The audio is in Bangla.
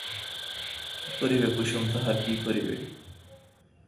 কী করিবে কুসুম তাঁহার কী করিবে?